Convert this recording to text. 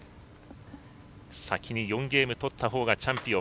先に４ゲーム取った方がチャンピオン。